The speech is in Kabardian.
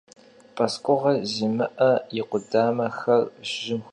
P'esk'uğe zimı'e yi khudamexer jım xoceguh.